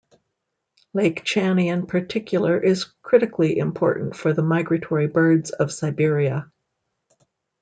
Lake Chany in particular is critically important for the migratory birds of Siberia.